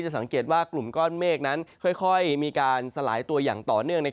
สังเกตว่ากลุ่มก้อนเมฆนั้นค่อยมีการสลายตัวอย่างต่อเนื่อง